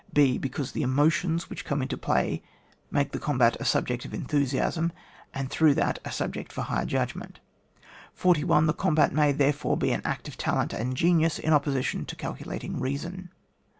(b) Because the emotions which, come into play may make the combat a sub ject of enthusiasm, and through that a subject for higher judgment. 41. The combat may, therefore, be an act of talent and genius, in opposition to calculating reason.